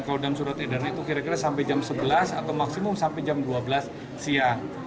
kalau dalam surat edaran itu kira kira sampai jam sebelas atau maksimum sampai jam dua belas siang